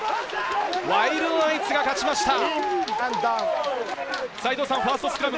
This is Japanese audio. ワイルドナイツが勝ちました。